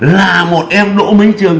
là một em đỗ minh trường